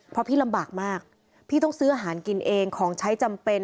เพราะพี่ลำบากมากพี่ต้องซื้ออาหารกินเองของใช้จำเป็น